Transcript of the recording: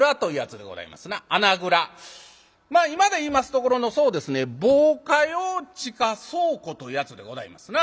今で言いますところのそうですね防火用地下倉庫というやつでございますな。